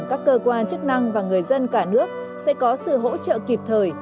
các cơ quan chức năng và người dân cả nước sẽ có sự hỗ trợ kịp thời